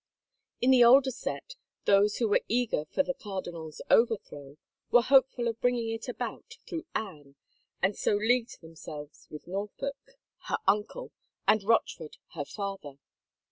In the older set, those who were eager for the cardinal's overthrow were hopeful of bringing it about through Anne and so leagued themselves with Norfolk, her uncle, and Rochford, her father.